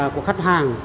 của khách hàng